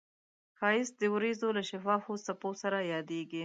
ښایست د وریځو له شفافو څپو سره یادیږي